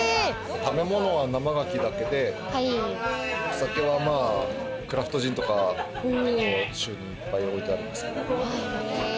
食べ物は生がきだけで、お酒はまぁ、クラフトジンとか、種類いっぱい置いてあるんですけど。